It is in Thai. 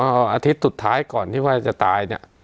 เอาอาทิตย์สุดท้ายก่อนที่ว่าจะตายเนี่ย